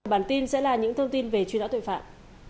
bản tin sẽ là những thông tin về truy nã tội phạm